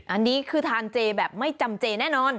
อันนี้คือทานเจแบบไม่จำเจแน่นอน